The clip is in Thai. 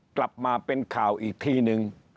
กลับมาเป็นข่าวอีกทีนึง